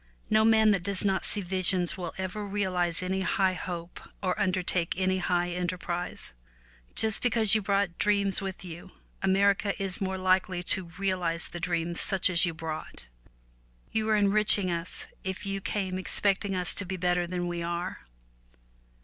No man that does not see visions will ever realize any high hope or undertake any high enter prise. Just because you brought dreams with you, America is more likely to realize the dreams such as you brought. You are enriching us if you came expecting us to be better than we are.